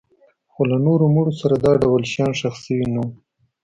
خو له نورو مړو سره دا ډول شیان ښخ شوي نه وو